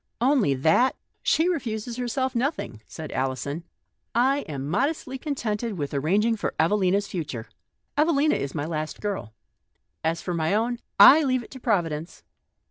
" Only that ? She refuses herself nothing," said Alison. " I am modestly contented with arranging for Evelina's future. Evelina is my last girl. As for my own, I leave it to Providence."